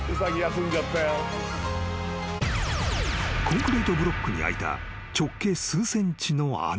［コンクリートブロックに開いた直径数ｃｍの穴］